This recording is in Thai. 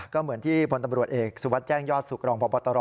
ก็เหมือนที่พลตำรวจเอกสุวัสดิแจ้งยอดสุขรองพบตร